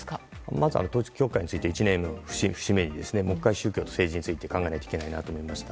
まず統一教会について１年を節目にもう１回宗教と政治について考えないといけないと思いました。